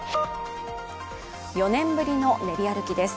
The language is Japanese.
４年ぶりの練り歩きです。